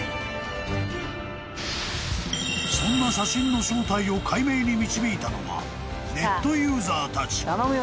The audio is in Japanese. ［そんな写真の正体を解明に導いたのがネットユーザーたち］